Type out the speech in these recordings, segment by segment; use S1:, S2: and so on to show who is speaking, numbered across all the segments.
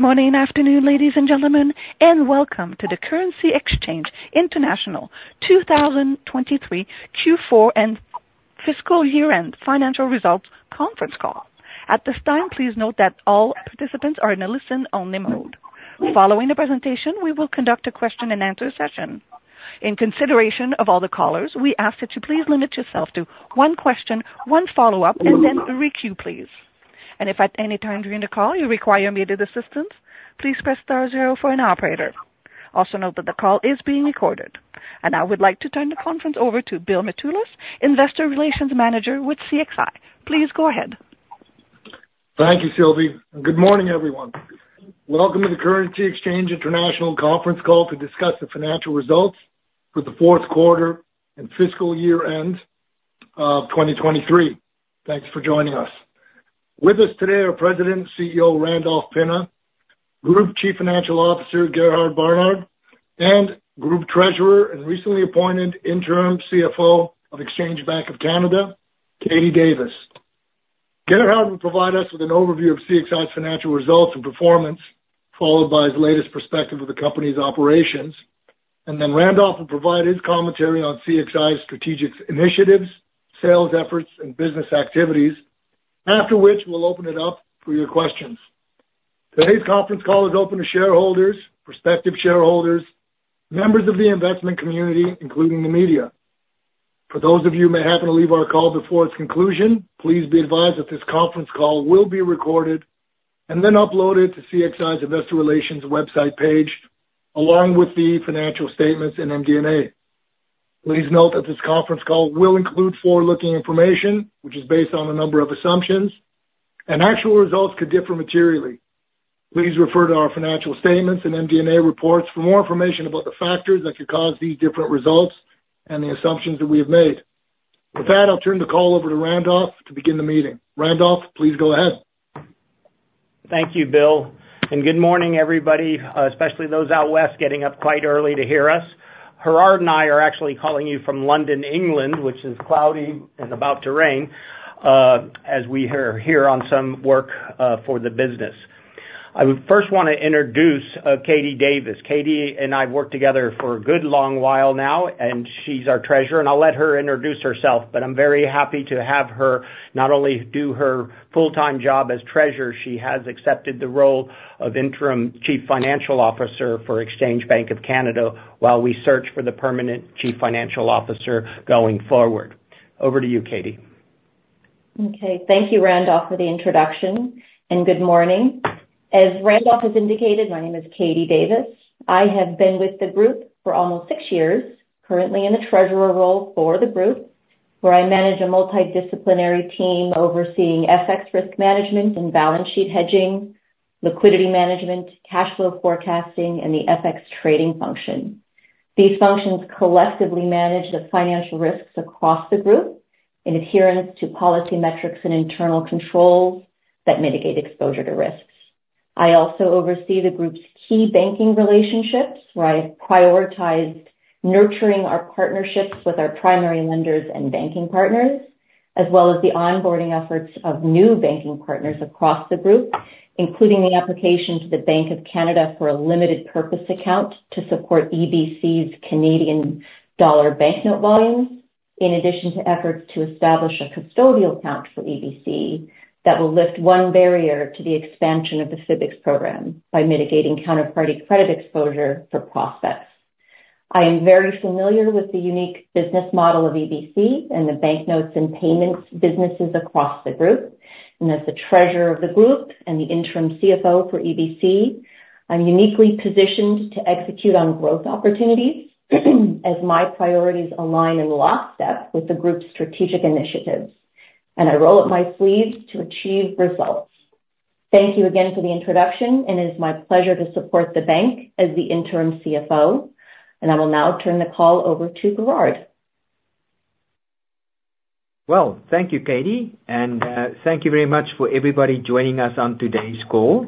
S1: Good morning and afternoon, ladies and gentlemen, and welcome to the Currency Exchange International 2023 Q4 and Fiscal Year-End Financial Results conference call. At this time, please note that all participants are in a listen-only mode. Following the presentation, we will conduct a question and answer session. In consideration of all the callers, we ask that you please limit yourself to one question, one follow-up, and then re-queue, please. And if at any time during the call you require immediate assistance, please press star zero for an operator. Also, note that the call is being recorded. And now I would like to turn the conference over to Bill Mitoulas, Investor Relations Manager with CXI. Please go ahead.
S2: Thank you, Sylvie. Good morning, everyone. Welcome to the Currency Exchange International Conference Call to discuss the financial results for the fourth quarter and fiscal year-end of 2023. Thanks for joining us. With us today are President and CEO Randolph Pinna, Group Chief Financial Officer Gerhard Barnard, and Group Treasurer and recently appointed Interim CFO of Exchange Bank of Canada Katie Davis. Gerhard will provide us with an overview of CXI's financial results and performance, followed by his latest perspective of the company's operations. And then Randolph will provide his commentary on CXI's strategic initiatives, sales efforts, and business activities. After which, we'll open it up for your questions. Today's conference call is open to shareholders, prospective shareholders, members of the investment community, including the media. For those of you who may happen to leave our call before its conclusion, please be advised that this conference call will be recorded and then uploaded to CXI's Investor Relations website page, along with the financial statements and MD&A. Please note that this conference call will include forward-looking information, which is based on a number of assumptions, and actual results could differ materially. Please refer to our financial statements and MD&A reports for more information about the factors that could cause these different results and the assumptions that we have made. With that, I'll turn the call over to Randolph to begin the meeting. Randolph, please go ahead.
S3: Thank you, Bill, and good morning, everybody, especially those out west getting up quite early to hear us. Gerhard and I are actually calling you from London, England, which is cloudy and about to rain, as we are here on some work for the business. I would first want to introduce Katie Davis. Katie and I have worked together for a good long while now, and she's our treasurer, and I'll let her introduce herself, but I'm very happy to have her not only do her full-time job as treasurer, she has accepted the role of interim Chief Financial Officer for Exchange Bank of Canada while we search for the permanent Chief Financial Officer going forward. Over to you, Katie.
S4: Okay. Thank you, Randolph, for the introduction, and good morning. As Randolph has indicated, my name is Katie Davis. I have been with the group for almost six years, currently in a treasurer role for the group, where I manage a multidisciplinary team overseeing FX risk management and balance sheet hedging, liquidity management, cash flow forecasting, and the FX trading function. These functions collectively manage the financial risks across the group in adherence to policy metrics and internal controls that mitigate exposure to risks. I also oversee the group's key banking relationships, where I have prioritized nurturing our partnerships with our primary lenders and banking partners, as well as the onboarding efforts of new banking partners across the group, including the application to the Bank of Canada for a limited purpose account to support EBC's Canadian dollar banknote volumes. In addition to efforts to establish a custodial account for EBC that will lift one barrier to the expansion of the CEIFX program by mitigating counterparty credit exposure for process. I am very familiar with the unique business model of EBC and the banknotes and payments businesses across the group, and as the Treasurer of the group and the Interim CFO for EBC, I'm uniquely positioned to execute on growth opportunities, as my priorities align in lockstep with the group's strategic initiatives, and I roll up my sleeves to achieve results. Thank you again for the introduction, and it is my pleasure to support the bank as the Interim CFO, and I will now turn the call over to Gerhard.
S5: Well, thank you, Katie, and thank you very much for everybody joining us on today's call.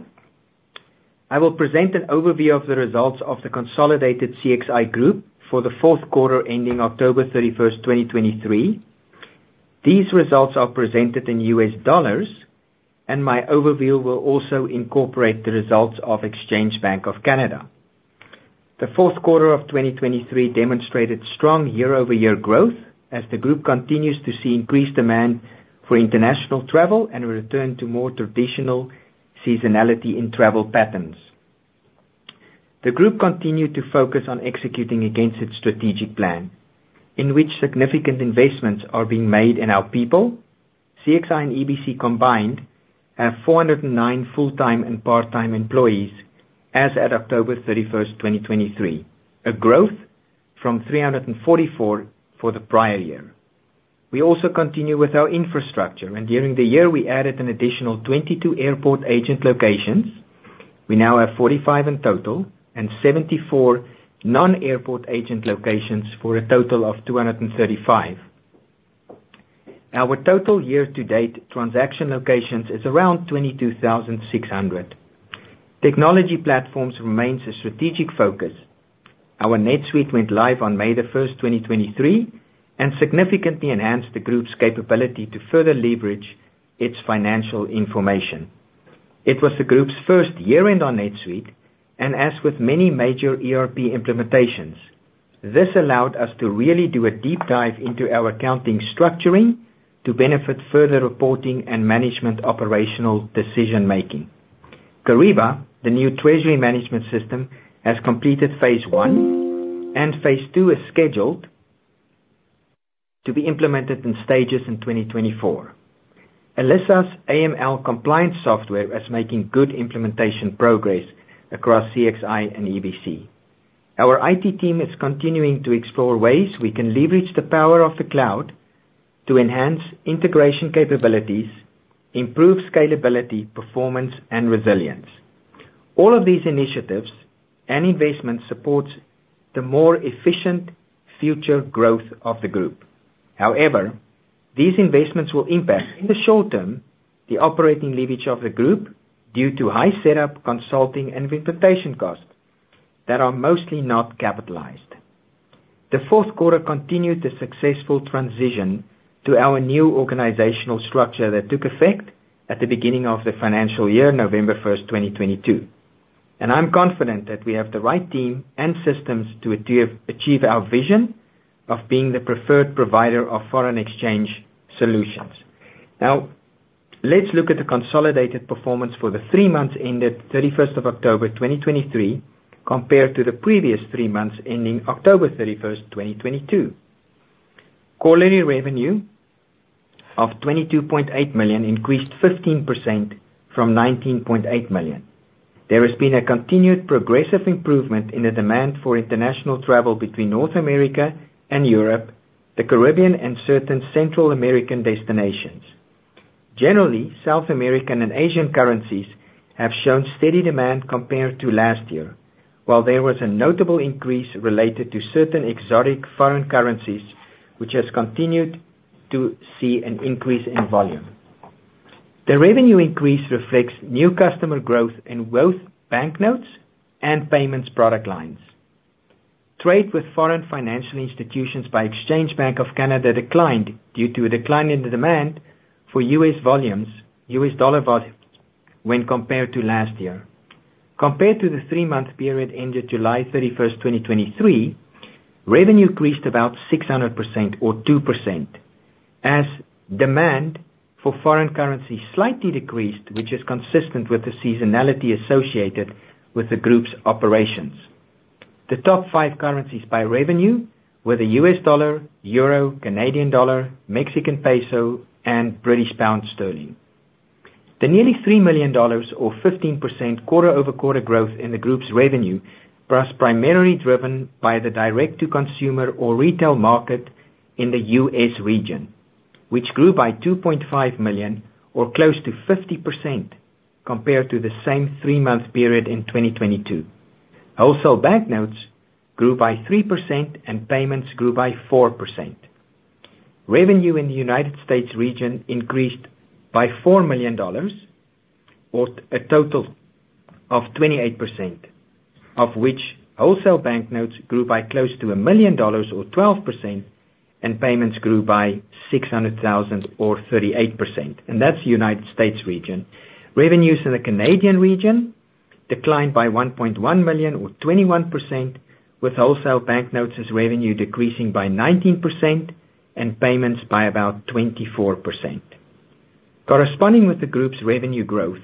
S5: I will present an overview of the results of the consolidated CXI group for the fourth quarter, ending October 31st, 2023. These results are presented in U.S. dollars, and my overview will also incorporate the results of Exchange Bank of Canada. The fourth quarter of 2023 demonstrated strong year-over-year growth as the group continues to see increased demand for international travel and a return to more traditional seasonality in travel patterns. The group continued to focus on executing against its strategic plan, in which significant investments are being made in our people. CXI and EBC combined have 409 full-time and part-time employees as at October 31st, 2023, a growth from 344 for the prior year. We also continue with our infrastructure, and during the year, we added an additional 22 airport agent locations. We now have 45 in total and 74 non-airport agent locations for a total of 235. Our total year-to-date transaction locations is around 22,600. Technology platforms remains a strategic focus. Our NetSuite went live on May 1st, 2023, and significantly enhanced the group's capability to further leverage its financial information. It was the group's first year-end on NetSuite, and as with many major ERP implementations, this allowed us to really do a deep dive into our accounting structuring to benefit further reporting and management operational decision making. Kyriba, the new treasury management system, has completed phase one, and phase two is scheduled to be implemented in stages in 2024. Alessa's AML compliance software is making good implementation progress across CXI and EBC. Our IT team is continuing to explore ways we can leverage the power of the cloud to enhance integration capabilities, improve scalability, performance, and resilience. All of these initiatives and investments support the more efficient future growth of the group. However, these investments will impact, in the short term, the operating leverage of the group due to high setup, consulting, and implementation costs that are mostly not capitalized. The fourth quarter continued the successful transition to our new organizational structure that took effect at the beginning of the financial year, November 1st, 2022, and I'm confident that we have the right team and systems to achieve, achieve our vision of being the preferred provider of foreign exchange solutions. Now, let's look at the consolidated performance for the three months ended 31st October, 2023, compared to the previous three months ending October 31st, 2022. Quarterly revenue of $22.8 million increased 15% from $19.8 million. There has been a continued progressive improvement in the demand for international travel between North America and Europe, the Caribbean, and certain Central American destinations. Generally, South American and Asian currencies have shown steady demand compared to last year, while there was a notable increase related to certain exotic foreign currencies, which has continued to see an increase in volume. The revenue increase reflects new customer growth in both banknotes and payments product lines. Trade with foreign financial institutions by Exchange Bank of Canada declined due to a decline in the demand for U.S. dollar volume when compared to last year. Compared to the three-month period ended July 31st, 2023, revenue increased about 600% or 2%, as demand for foreign currency slightly decreased, which is consistent with the seasonality associated with the group's operations. The top five currencies by revenue were the U.S. dollar, euro, Canadian dollar, Mexican peso, and British pound sterling. The nearly $3 million, or 15% quarter-over-quarter growth in the group's revenue, was primarily driven by the direct-to-consumer or retail market in the U.S. region, which grew by $2.5 million or close to 50% compared to the same three-month period in 2022. Wholesale banknotes grew by 3% and payments grew by 4%. Revenue in the United States region increased by $4 million, or a total of 28%, of which wholesale banknotes grew by close to $1 million or 12%, and payments grew by $600,000 or 38%, and that's the United States region. Revenues in the Canadian region declined by $1.1 million or 21%, with wholesale banknotes as revenue decreasing by 19% and payments by about 24%. Corresponding with the group's revenue growth,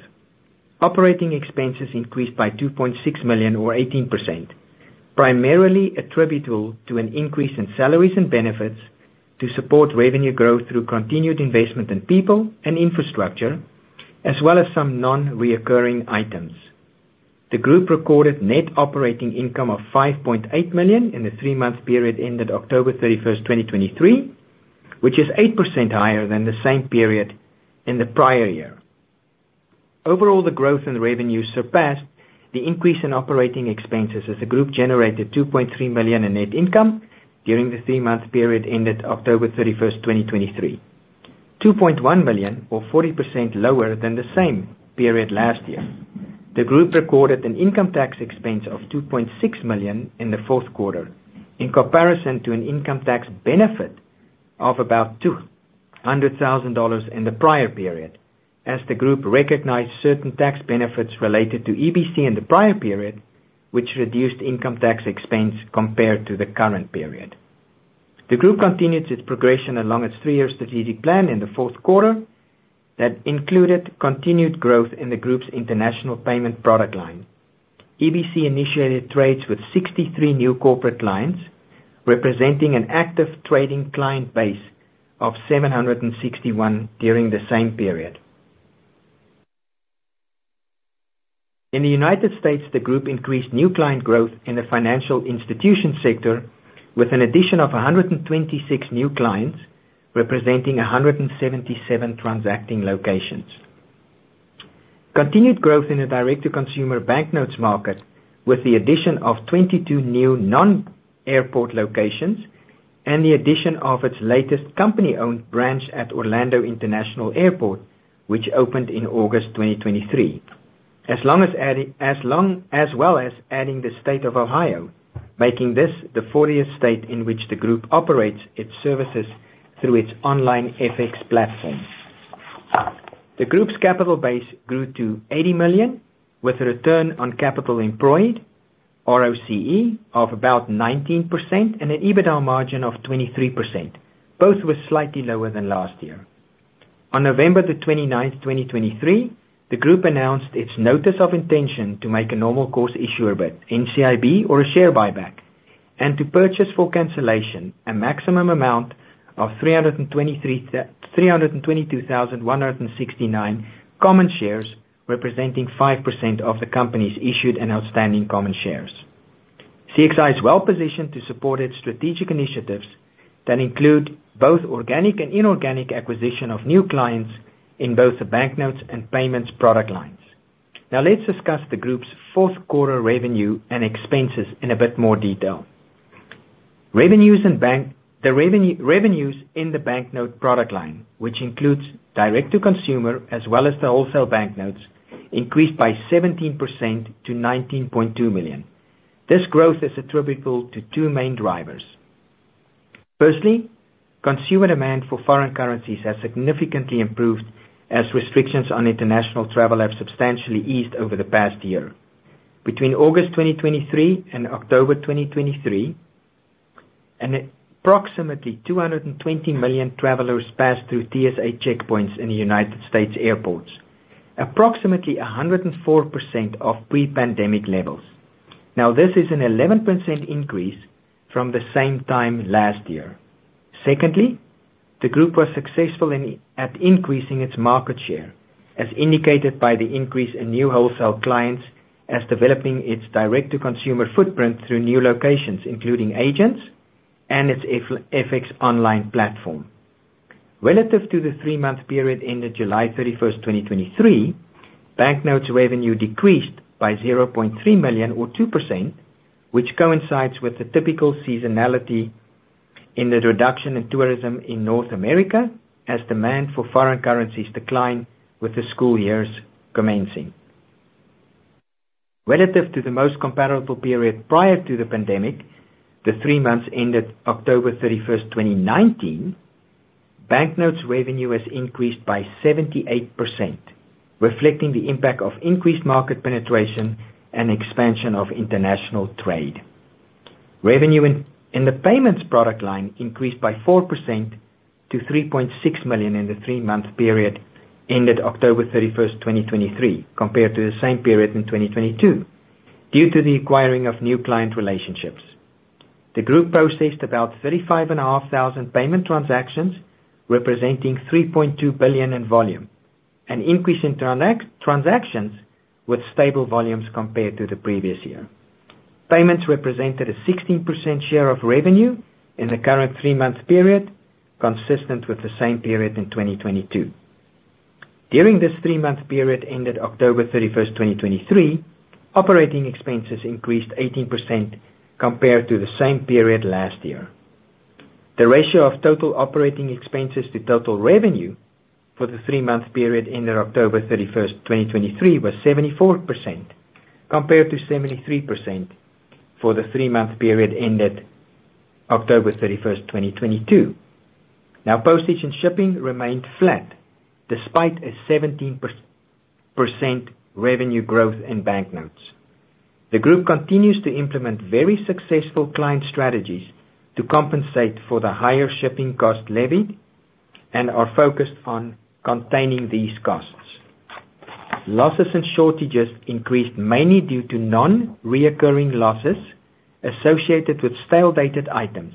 S5: operating expenses increased by $2.6 million or 18%, primarily attributable to an increase in salaries and benefits to support revenue growth through continued investment in people and infrastructure, as well as some non-recurring items. The group recorded net operating income of $5.8 million in the three-month period ended October 31st, 2023, which is 8% higher than the same period in the prior year. Overall, the growth in revenues surpassed the increase in operating expenses, as the group generated $2.3 million in net income during the three-month period ended October 31st, 2023. $2.1 million, or 40% lower than the same period last year. The group recorded an income tax expense of $2.6 million in the fourth quarter, in comparison to an income tax benefit of about $200,000 in the prior period, as the group recognized certain tax benefits related to EBC in the prior period, which reduced income tax expense compared to the current period. The group continued its progression along its three-year strategic plan in the fourth quarter that included continued growth in the group's international payment product line. EBC initiated trades with 63 new corporate clients, representing an active trading client base of 761 during the same period. In the United States, the group increased new client growth in the financial institution sector with an addition of 126 new clients, representing 177 transacting locations. Continued growth in the direct-to-consumer banknotes market, with the addition of 22 new non-airport locations... and the addition of its latest company-owned branch at Orlando International Airport, which opened in August 2023. As well as adding the state of Ohio, making this the 40th state in which the group operates its services through its online FX platform. The group's capital base grew to $80 million, with a return on capital employed, ROCE, of about 19% and an EBITDA margin of 23%. Both were slightly lower than last year. On November 29th, 2023, the group announced its notice of intention to make a normal course issuer bid, NCIB, or a share buyback, and to purchase for cancellation a maximum of 322,169 common shares, representing 5% of the company's issued and outstanding common shares. CXI is well-positioned to support its strategic initiatives that include both organic and inorganic acquisition of new clients in both the banknotes and payments product lines. Now let's discuss the group's fourth quarter revenue and expenses in a bit more detail. Revenues and bank... The revenues in the banknote product line, which includes Direct-to-Consumer as well as the wholesale banknotes, increased by 17% to $19.2 million. This growth is attributable to two main drivers: firstly, consumer demand for foreign currencies has significantly improved as restrictions on international travel have substantially eased over the past year. Between August 2023 and October 2023, approximately 220 million travelers passed through TSA checkpoints in the United States airports, approximately 104% of pre-pandemic levels. Now, this is an 11% increase from the same time last year. Secondly, the group was successful in increasing its market share, as indicated by the increase in new wholesale clients as developing its Direct-to-Consumer footprint through new locations, including agents and its FX Online platform. Relative to the three-month period ended July 31st, 2023, banknotes revenue decreased by $0.3 million or 2%, which coincides with the typical seasonality in the reduction in tourism in North America as demand for foreign currencies decline with the school years commencing. Relative to the most comparable period prior to the pandemic, the three months ended October 31st, 2019, banknotes revenue has increased by 78%, reflecting the impact of increased market penetration and expansion of international trade. Revenue in the payments product line increased by 4% to $3.6 million in the three-month period ended October 31st, 2023, compared to the same period in 2022, due to the acquiring of new client relationships. The group processed about 35,500 payment transactions, representing $3.2 billion in volume, an increase in transactions with stable volumes compared to the previous year. Payments represented a 16% share of revenue in the current three-month period, consistent with the same period in 2022. During this three-month period ended October 31st, 2023, operating expenses increased 18% compared to the same period last year. The ratio of total operating expenses to total revenue for the three-month period ended October 31st, 2023, was 74%, compared to 73% for the three-month period ended October 31st, 2022. Now, postage and shipping remained flat despite a 17% revenue growth in banknotes. The group continues to implement very successful client strategies to compensate for the higher shipping cost levied and are focused on containing these costs. Losses and shortages increased mainly due to non-recurring losses associated with stale-dated items,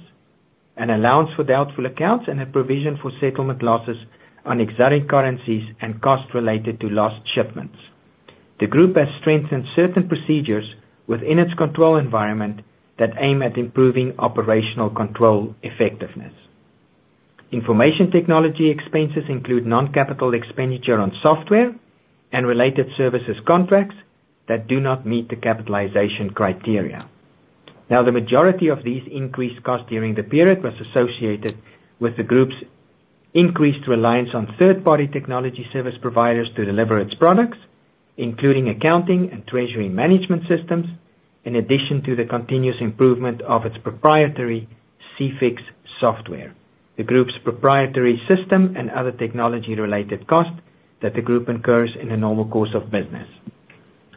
S5: an allowance for doubtful accounts, and a provision for settlement losses on exotic currencies and costs related to lost shipments. The group has strengthened certain procedures within its control environment that aim at improving operational control effectiveness. Information technology expenses include non-capital expenditure on software and related services contracts that do not meet the capitalization criteria. Now, the majority of these increased costs during the period was associated with the group's increased reliance on third-party technology service providers to deliver its products, including accounting and treasury management systems, in addition to the continuous improvement of its proprietary CEIFX software, the group's proprietary system and other technology-related costs that the group incurs in the normal course of business.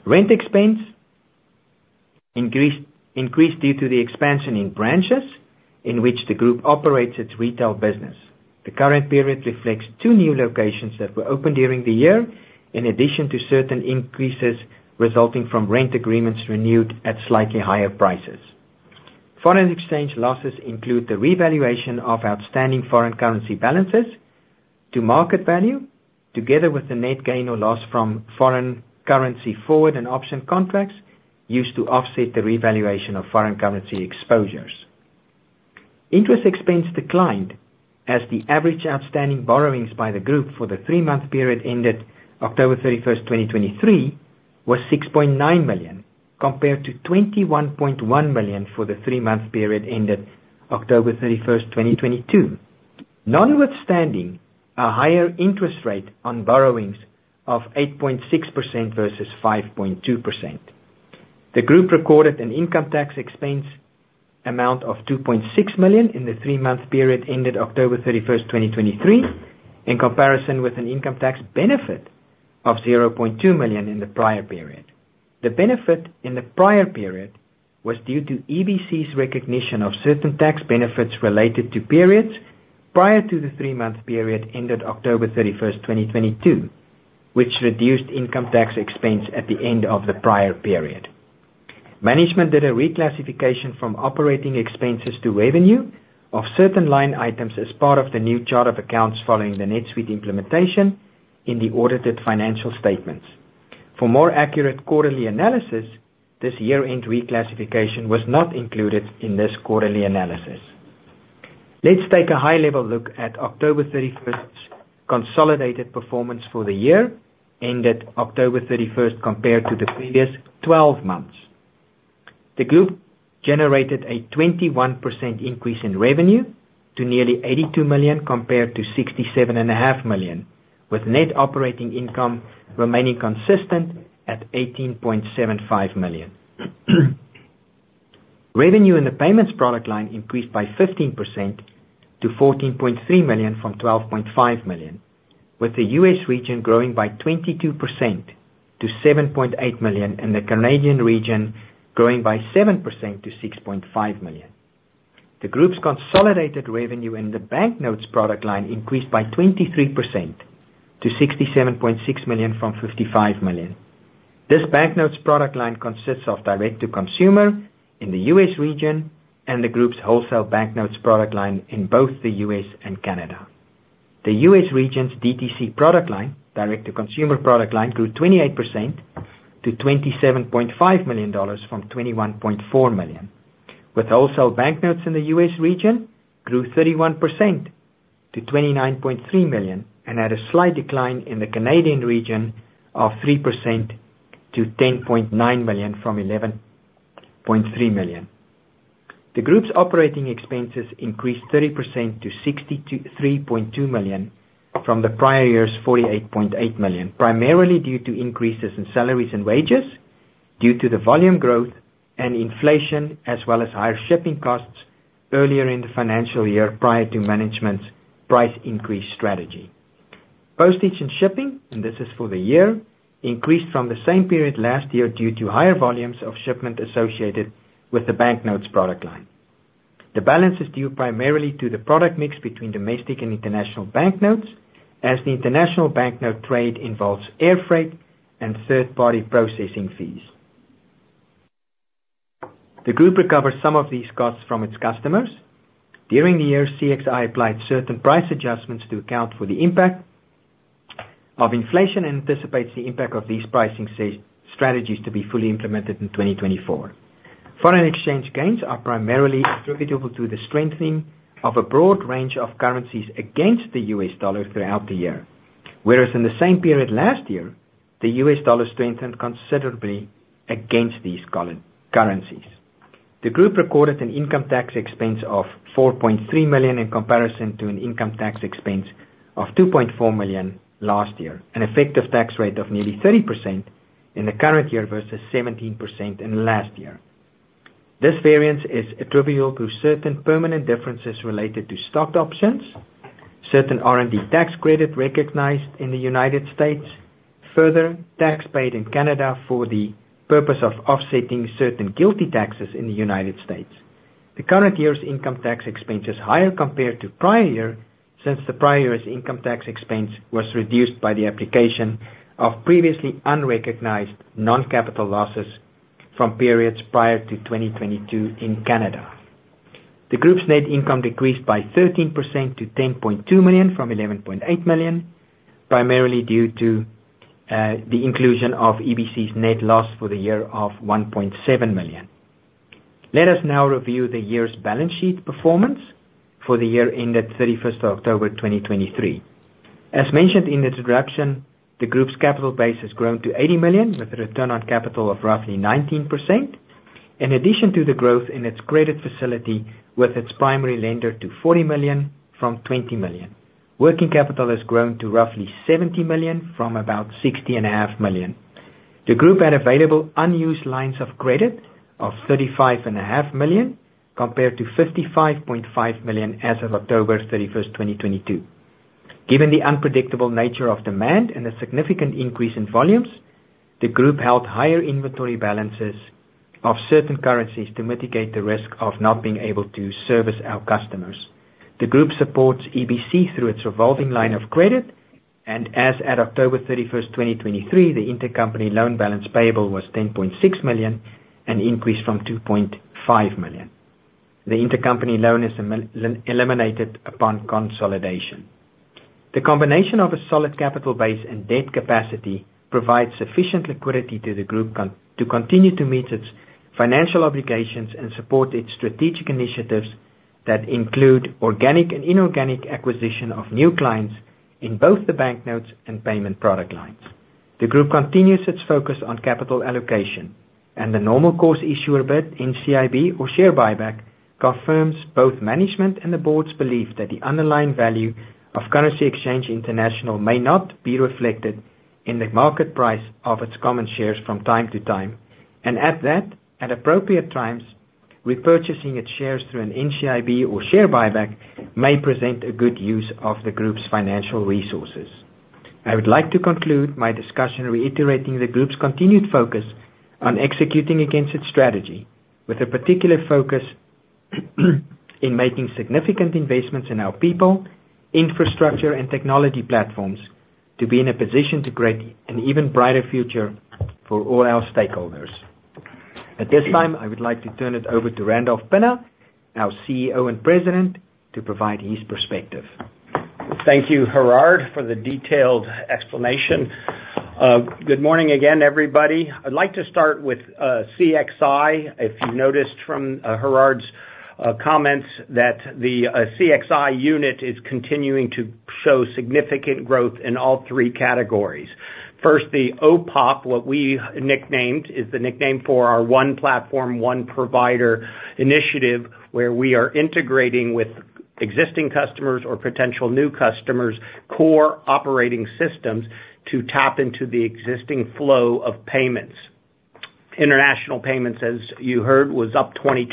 S5: Rent expense increased due to the expansion in branches in which the group operates its retail business. The current period reflects two new locations that were opened during the year, in addition to certain increases resulting from rent agreements renewed at slightly higher prices. Foreign exchange losses include the revaluation of outstanding foreign currency balances to market value, together with the net gain or loss from foreign currency forward and option contracts used to offset the revaluation of foreign currency exposures. Interest expense declined, as the average outstanding borrowings by the group for the three-month period ended October thirty-first, 2023, was $6.9 million, compared to $21.1 million for the three-month period ended October 31st, 2022. Notwithstanding a higher interest rate on borrowings of 8.6% versus 5.2%, the group recorded an income tax expense amount of $2.6 million in the three-month period ended October 31, 2023, in comparison with an income tax benefit of $0.2 million in the prior period. The benefit in the prior period was due to EBC's recognition of certain tax benefits related to periods prior to the three-month period ended October 31st, 2022, which reduced income tax expense at the end of the prior period. Management did a reclassification from operating expenses to revenue of certain line items as part of the new chart of accounts following the NetSuite implementation in the audited financial statements. For more accurate quarterly analysis, this year-end reclassification was not included in this quarterly analysis. Let's take a high-level look at October 31st consolidated performance for the year ended October 31st, compared to the previous 12 months. The group generated a 21% increase in revenue to nearly $82 million, compared to $67.5 million, with net operating income remaining consistent at $18.75 million. Revenue in the payments product line increased by 15% to $14.3 million from $12.5 million, with the U.S. region growing by 22% to $7.8 million, and the Canadian region growing by 7% to $6.5 million. The group's consolidated revenue in the banknotes product line increased by 23% to $67.6 million from $55 million. This banknotes product line consists of direct-to-consumer in the U.S. region and the group's wholesale banknotes product line in both the U.S. and Canada. The U.S. region's DTC product line, direct-to-consumer product line, grew 28% to $27.5 million from $21.4 million, with wholesale banknotes in the U.S. region grew 31% to $29.3 million, and had a slight decline in the Canadian region of 3% to $10.9 million from $11.3 million. The group's operating expenses increased 30% to $62.3 million from the prior year's $48.8 million, primarily due to increases in salaries and wages due to the volume growth and inflation, as well as higher shipping costs earlier in the financial year, prior to management's price increase strategy. Postage and shipping, and this is for the year, increased from the same period last year due to higher volumes of shipment associated with the banknotes product line. The balance is due primarily to the product mix between domestic and international banknotes, as the international banknote trade involves air freight and third-party processing fees. The group recovers some of these costs from its customers. During the year, CXI applied certain price adjustments to account for the impact of inflation and anticipates the impact of these pricing strategies to be fully implemented in 2024. Foreign exchange gains are primarily attributable to the strengthening of a broad range of currencies against the U.S. dollar throughout the year, whereas in the same period last year, the U.S. dollar strengthened considerably against these currencies. The group recorded an income tax expense of $4.3 million, in comparison to an income tax expense of $2.4 million last year, an effective tax rate of nearly 30% in the current year versus 17% in last year. This variance is attributable to certain permanent differences related to stock options, certain R&D tax credit recognized in the United States, further, tax paid in Canada for the purpose of offsetting certain GILTI taxes in the United States. The current year's income tax expense is higher compared to prior year, since the prior year's income tax expense was reduced by the application of previously unrecognized non-capital losses from periods prior to 2022 in Canada. The group's net income decreased by 13% to $10.2 million from $11.8 million, primarily due to the inclusion of EBC's net loss for the year of $1.7 million. Let us now review the year's balance sheet performance for the year ended 31st of October, 2023. As mentioned in the introduction, the group's capital base has grown to $80 million, with a return on capital of roughly 19%. In addition to the growth in its credit facility with its primary lender to $40 million from $20 million. Working capital has grown to roughly $70 million from about $60.5 million. The group had available unused lines of credit of $35.5 million, compared to $55.5 million as of October 31st, 2022. Given the unpredictable nature of demand and a significant increase in volumes, the group held higher inventory balances of certain currencies to mitigate the risk of not being able to service our customers. The group supports EBC through its revolving line of credit, and as at October 31st, 2023, the intercompany loan balance payable was $10.6 million, an increase from $2.5 million. The intercompany loan is eliminated upon consolidation. The combination of a solid capital base and debt capacity provides sufficient liquidity to the group to continue to meet its financial obligations and support its strategic initiatives that include organic and inorganic acquisition of new clients in both the banknotes and payment product lines. The group continues its focus on capital allocation, and the normal course issuer bid NCIB or share buyback confirms both management and the board's belief that the underlying value of Currency Exchange International may not be reflected in the market price of its common shares from time to time. And at that, at appropriate times, repurchasing its shares through an NCIB or share buyback may present a good use of the group's financial resources. I would like to conclude my discussion reiterating the group's continued focus on executing against its strategy, with a particular focus, in making significant investments in our people, infrastructure, and technology platforms, to be in a position to create an even brighter future for all our stakeholders. At this time, I would like to turn it over to Randolph Pinna, our CEO and President, to provide his perspective.
S3: Thank you, Gerhard, for the detailed explanation. Good morning again, everybody. I'd like to start with CXI. If you noticed from Gerhard's comments, that the CXI unit is continuing to show significant growth in all three categories. First, the OPOP, what we nicknamed, is the nickname for our One Platform, One Provider initiative, where we are integrating with existing customers or potential new customers, core operating systems to tap into the existing flow of payments. International payments, as you heard, was up 22%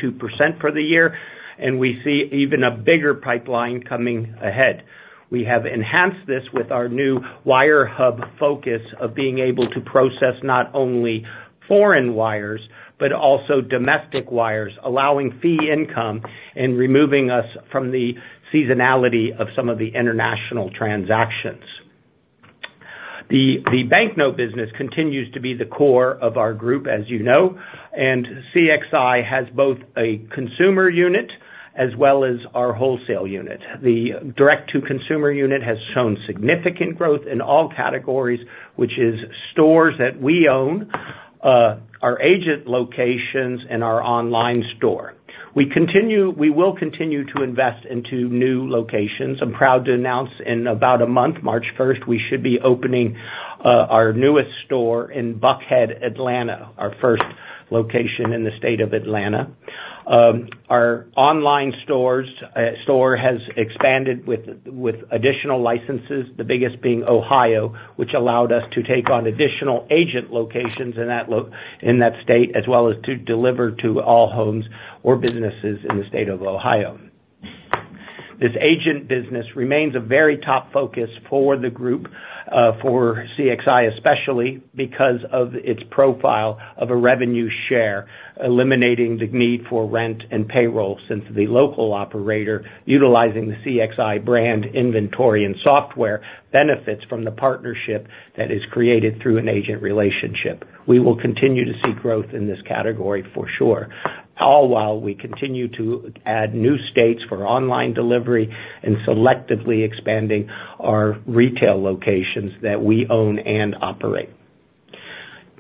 S3: for the year, and we see even a bigger pipeline coming ahead. We have enhanced this with our new Wire Hub focus of being able to process not only foreign wires, but also domestic wires, allowing fee income and removing us from the seasonality of some of the international transactions. The banknote business continues to be the core of our group, as you know, and CXI has both a consumer unit as well as our wholesale unit. The direct-to-consumer unit has shown significant growth in all categories, which is stores that we own, our agent locations, and our online store. We will continue to invest into new locations. I'm proud to announce in about a month, March 1st, we should be opening our newest store in Buckhead, Atlanta, our first location in the state of Atlanta. Our online store has expanded with additional licenses, the biggest being Ohio, which allowed us to take on additional agent locations in that state, as well as to deliver to all homes or businesses in the state of Ohio. This agent business remains a very top focus for the group, for CXI, especially because of its profile of a revenue share, eliminating the need for rent and payroll since the local operator, utilizing the CXI brand inventory and software, benefits from the partnership that is created through an agent relationship. We will continue to see growth in this category for sure. All while we continue to add new states for online delivery and selectively expanding our retail locations that we own and operate.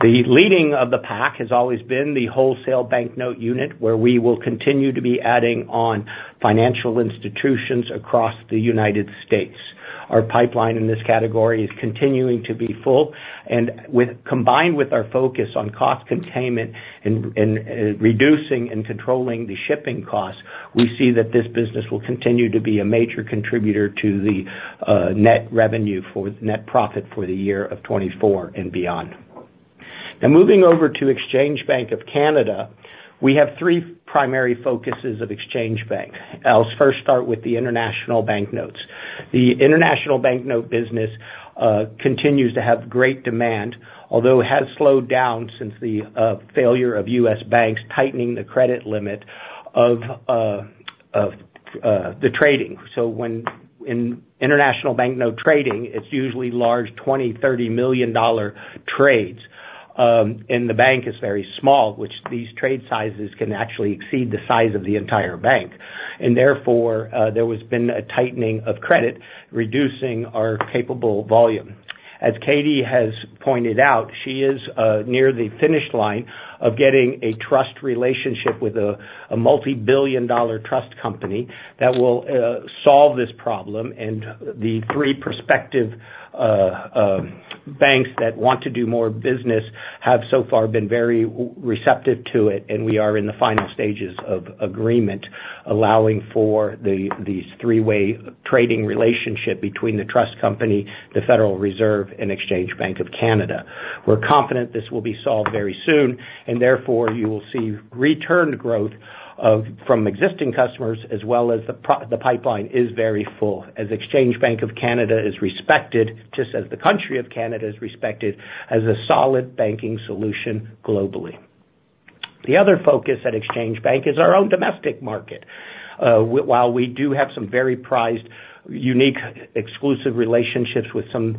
S3: The leading of the pack has always been the wholesale banknote unit, where we will continue to be adding on financial institutions across the United States. Our pipeline in this category is continuing to be full, and combined with our focus on cost containment and reducing and controlling the shipping costs, we see that this business will continue to be a major contributor to the net profit for the year 2024 and beyond. Now, moving over to Exchange Bank of Canada, we have three primary focuses of Exchange Bank. I'll first start with the international banknotes. The international banknote business continues to have great demand, although it has slowed down since the failure of U.S. banks tightening the credit limit of the trading. So, in international banknote trading, it's usually large $20 million-$30 million trades, and the bank is very small, which these trade sizes can actually exceed the size of the entire bank. Therefore, there has been a tightening of credit, reducing our capable volume. As Katie has pointed out, she is near the finish line of getting a trust relationship with a multibillion-dollar trust company that will solve this problem. The three prospective banks that want to do more business have so far been very receptive to it, and we are in the final stages of agreement, allowing for the three-way trading relationship between the trust company, the Federal Reserve, and Exchange Bank of Canada. We're confident this will be solved very soon, and therefore you will see return growth from existing customers as well as the pipeline is very full, as Exchange Bank of Canada is respected, just as the country of Canada is respected as a solid banking solution globally. The other focus at Exchange Bank is our own domestic market. While we do have some very prized, unique, exclusive relationships with some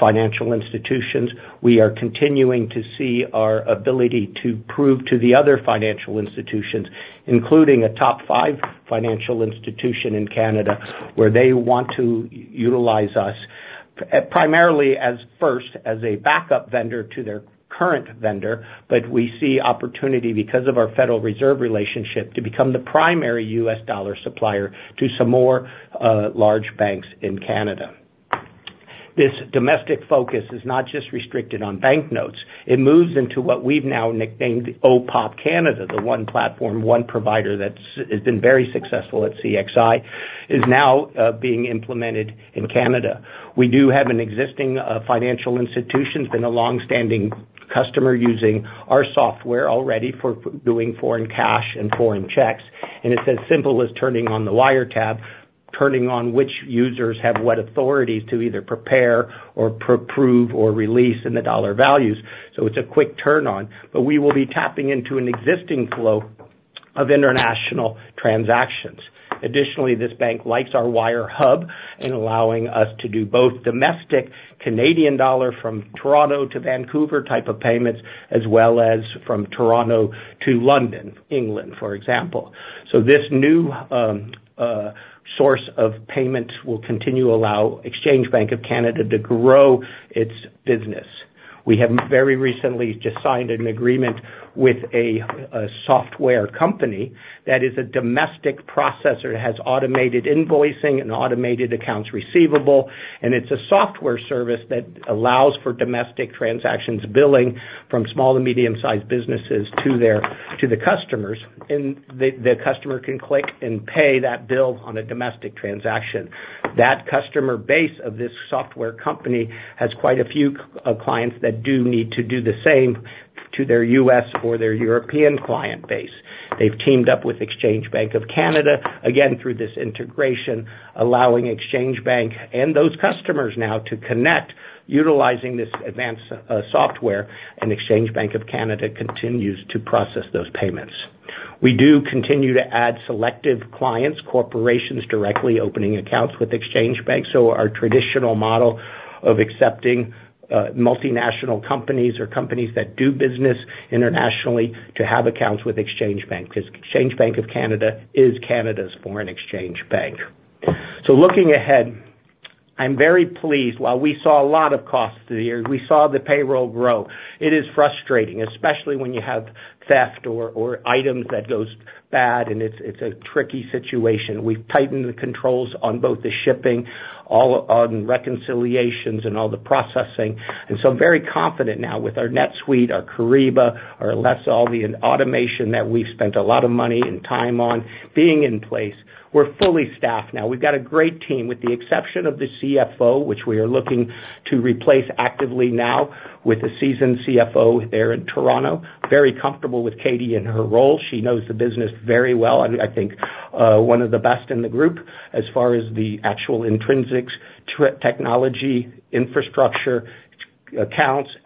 S3: financial institutions, we are continuing to see our ability to prove to the other financial institutions, including a top five financial institution in Canada, where they want to utilize us. Primarily as a backup vendor to their current vendor, but we see opportunity because of our Federal Reserve relationship, to become the primary U.S. dollar supplier to some more large banks in Canada. This domestic focus is not just restricted on banknotes. It moves into what we've now nicknamed OPOP Canada, the one platform, one provider that has been very successful at CXI, is now being implemented in Canada. We do have an existing financial institution, been a long-standing customer, using our software already for doing foreign cash and foreign checks, and it's as simple as turning on the wire tap, turning on which users have what authority to either prepare or approve or release in the dollar values. So it's a quick turn-on, but we will be tapping into an existing flow of international transactions. Additionally, this bank likes our Wire Hub in allowing us to do both domestic Canadian dollar from Toronto to Vancouver type of payments, as well as from Toronto to London, England, for example. So this new source of payments will continue to allow Exchange Bank of Canada to grow its business. We have very recently just signed an agreement with a software company that is a domestic processor. It has automated invoicing and automated accounts receivable, and it's a software service that allows for domestic transactions billing from small to medium-sized businesses to their customers, and the customer can click and pay that bill on a domestic transaction. That customer base of this software company has quite a few clients that do need to do the same to their U.S. or their European client base. They've teamed up with Exchange Bank of Canada, again, through this integration, allowing Exchange Bank and those customers now to connect utilizing this advanced software, and Exchange Bank of Canada continues to process those payments. We do continue to add selective clients, corporations, directly opening accounts with Exchange Bank. So our traditional model of accepting multinational companies or companies that do business internationally to have accounts with Exchange Bank, because Exchange Bank of Canada is Canada's foreign exchange bank. Looking ahead, I'm very pleased. While we saw a lot of costs through the year, we saw the payroll grow. It is frustrating, especially when you have theft or items that goes bad, and it's a tricky situation. We've tightened the controls on both the shipping, all on reconciliations and all the processing, and so I'm very confident now with our NetSuite, our Kyriba, our Alessa and automation that we've spent a lot of money and time on being in place. We're fully staffed now. We've got a great team, with the exception of the CFO, which we are looking to replace actively now with a seasoned CFO there in Toronto. Very comfortable with Katie in her role. She knows the business very well, and I think one of the best in the group as far as the actual intrinsics, technology, infrastructure, accounts,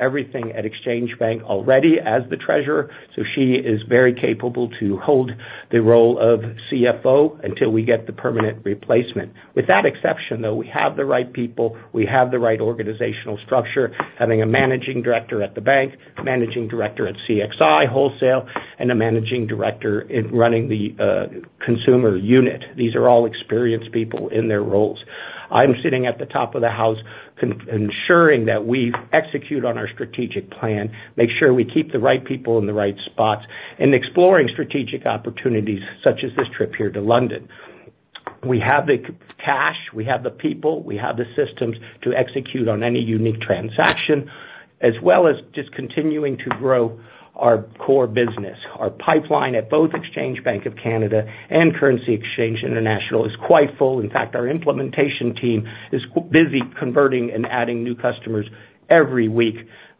S3: everything at Exchange Bank already as the treasurer, so she is very capable to hold the role of CFO until we get the permanent replacement. With that exception, though, we have the right people, we have the right organizational structure, having a managing director at the bank, managing director at CXI Wholesale, and a managing director in running the consumer unit. These are all experienced people in their roles. I'm sitting at the top of the house, ensuring that we execute on our strategic plan, make sure we keep the right people in the right spots, and exploring strategic opportunities such as this trip here to London. We have the cash, we have the people, we have the systems to execute on any unique transaction, as well as just continuing to grow our core business. Our pipeline at both Exchange Bank of Canada and Currency Exchange International is quite full. In fact, our implementation team is busy converting and adding new customers every week.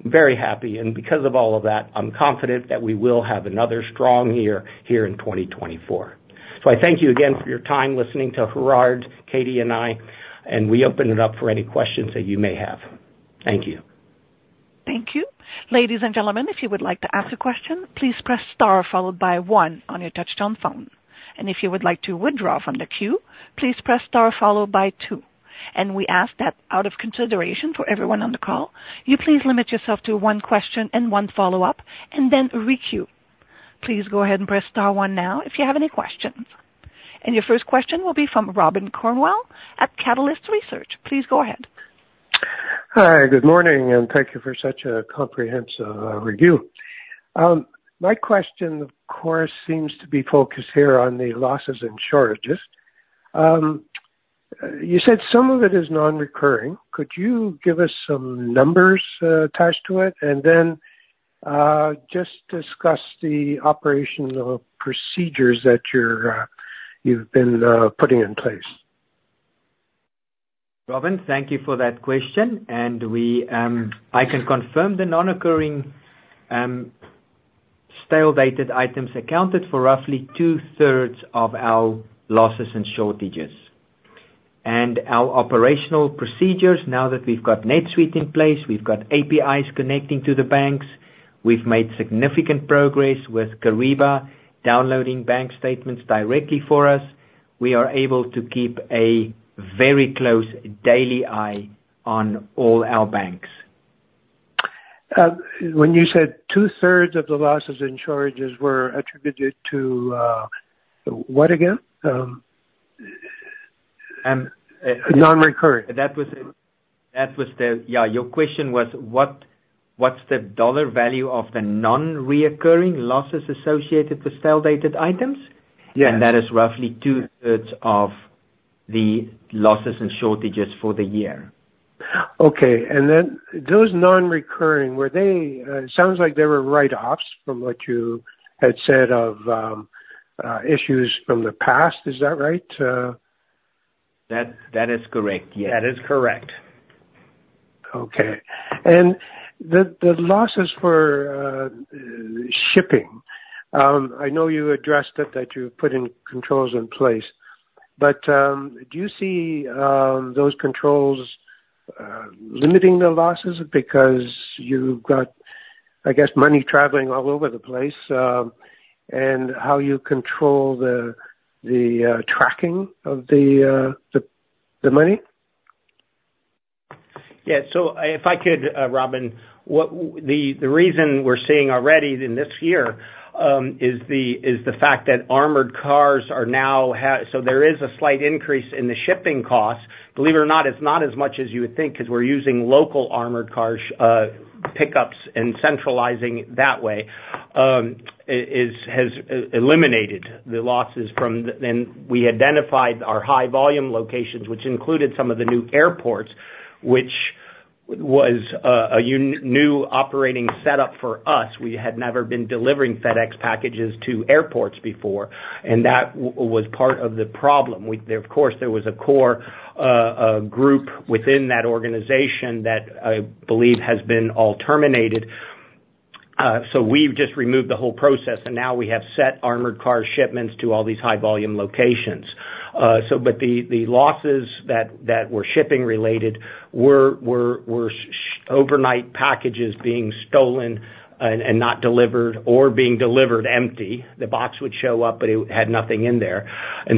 S3: Very happy, and because of all of that, I'm confident that we will have another strong year here in 2024. So I thank you again for your time listening to Gerhard, Katie and I, and we open it up for any questions that you may have. Thank you.
S1: Thank you. Ladies and gentlemen, if you would like to ask a question, please press Star, followed by one on your touchtone phone. And if you would like to withdraw from the queue, please press Star, followed by two. And we ask that out of consideration for everyone on the call, you please limit yourself to one question and one follow-up, and then requeue. Please go ahead and press Star one now if you have any questions. And your first question will be from Robin Cornwell at Catalyst Research. Please go ahead.
S6: Hi, good morning, and thank you for such a comprehensive review. My question, of course, seems to be focused here on the losses and shortages. You said some of it is non-recurring. Could you give us some numbers attached to it? And then, just discuss the operational procedures that you've been putting in place.
S3: Robin, thank you for that question, and we I can confirm the non-occurring, stale-dated items accounted for roughly two-thirds of our losses and shortages. Our operational procedures, now that we've got NetSuite in place, we've got APIs connecting to the banks, we've made significant progress with Kyriba, downloading bank statements directly for us. We are able to keep a very close daily eye on all our banks....
S6: When you said two-thirds of the losses and charges were attributed to, what again?
S3: Um.
S6: Non-reoccurring.
S3: That was it. Yeah, your question was, what, what's the dollar value of the non-recurring losses associated with stale-dated items?
S6: Yes.
S3: That is roughly two-thirds of the losses and shortages for the year.
S6: Okay. And then those non-recurring, were they? It sounds like they were write-offs from what you had said of issues from the past. Is that right?
S3: That, that is correct. Yes. That is correct.
S6: Okay. And the losses for shipping, I know you addressed it, that you've put in controls in place, but, do you see those controls limiting the losses? Because you've got, I guess, money traveling all over the place, and how you control the tracking of the money.
S3: Yeah. So if I could, Robin, what... The reason we're seeing already in this year is the fact that armored cars are now so there is a slight increase in the shipping costs. Believe it or not, it's not as much as you would think, because we're using local armored cars pickups, and centralizing it that way has eliminated the losses from the... Then, we identified our high volume locations, which included some of the new airports, which was a new operating setup for us. We had never been delivering FedEx packages to airports before, and that was part of the problem. We, of course, there was a core group within that organization that I believe has been all terminated. So we've just removed the whole process, and now we have set armored car shipments to all these high volume locations. So but the losses that were shipping-related were overnight packages being stolen and not delivered or being delivered empty. The box would show up, but it had nothing in there.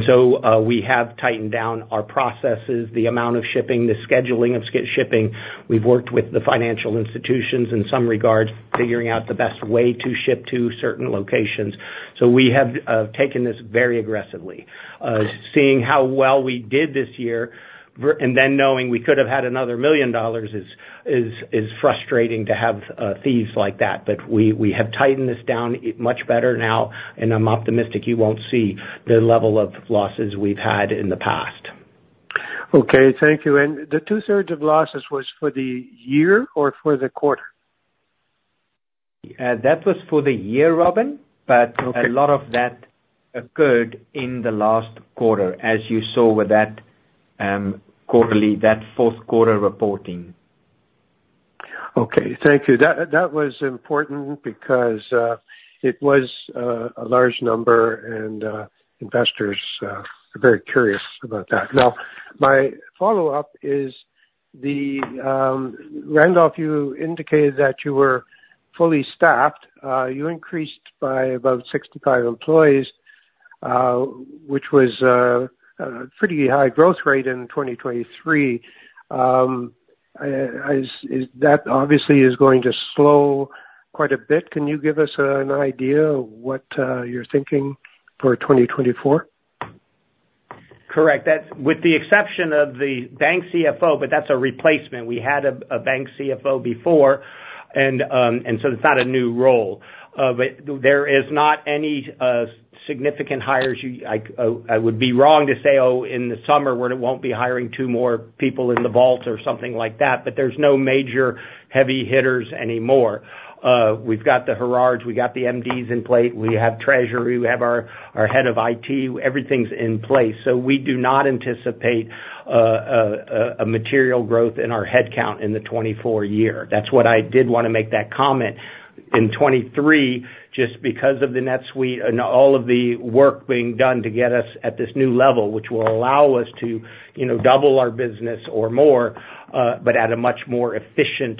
S3: So we have tightened down our processes, the amount of shipping, the scheduling of shipping. We've worked with the financial institutions in some regards, figuring out the best way to ship to certain locations. So we have taken this very aggressively. Seeing how well we did this year and then knowing we could have had another $1 million is frustrating to have thieves like that. But we have tightened this down much better now, and I'm optimistic you won't see the level of losses we've had in the past.
S6: Okay, thank you. The two-thirds of losses was for the year or for the quarter?
S3: That was for the year, Robin.
S6: Okay.
S3: But a lot of that occurred in the last quarter, as you saw with that fourth quarter reporting.
S6: Okay, thank you. That, that was important because it was a large number, and investors are very curious about that. Now, my follow-up is the, Randolph, you indicated that you were fully staffed. You increased by about 65 employees, which was a pretty high growth rate in 2023. Is that obviously going to slow quite a bit? Can you give us an idea of what you're thinking for 2024?
S3: Correct. That with the exception of the bank CFO, but that's a replacement. We had a bank CFO before, and so it's not a new role. But there is not any significant hires. I would be wrong to say, "Oh, in the summer, we won't be hiring two more people in the vaults," or something like that, but there's no major heavy hitters anymore. We've got the HRs, we've got the MDs in place, we have treasury, we have our head of IT. Everything's in place, so we do not anticipate a material growth in our headcount in the 2024 year. That's what I did wanna make that comment. In 2023, just because of the NetSuite and all of the work being done to get us at this new level, which will allow us to, you know, double our business or more, but at a much more efficient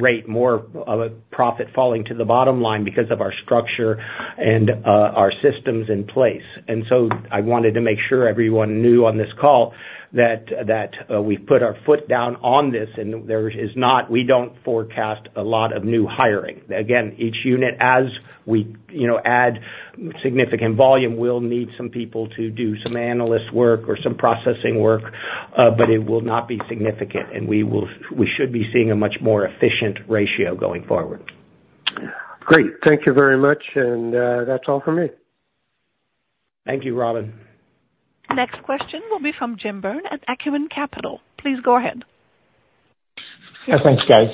S3: rate, more of a profit falling to the bottom line because of our structure and our systems in place. And so I wanted to make sure everyone knew on this call that we've put our foot down on this, and there is not -- we don't forecast a lot of new hiring. Again, each unit, as we, you know, add significant volume, we'll need some people to do some analyst work or some processing work, but it will not be significant, and we will, we should be seeing a much more efficient ratio going forward.
S6: Great. Thank you very much. That's all for me.
S3: Thank you, Robin.
S1: Next question will be from Jim Byrne at Acumen Capital. Please go ahead.
S7: Yeah, thanks, guys.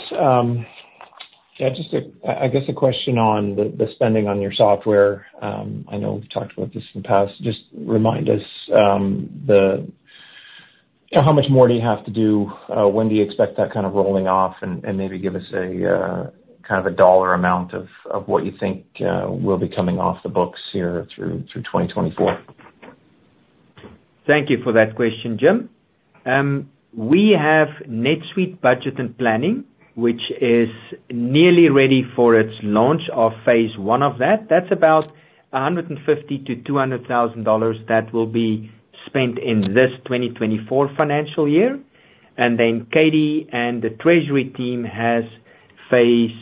S7: Yeah, just, I guess, a question on the spending on your software. I know we've talked about this in the past. Just remind us, how much more do you have to do? When do you expect that kind of rolling off? And maybe give us a kind of a dollar amount of what you think will be coming off the books here through 2024.
S5: Thank you for that question, Jim. We have NetSuite budget and planning, which is nearly ready for its launch of phase one of that. That's about $150,000-$200,000 that will be-... spent in this 2024 financial year, and then Katie and the treasury team has phase